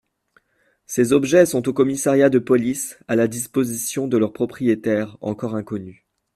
Ces objets sont au Commissariat de police, à la disposition de leurs propriétaires, encore inconnus.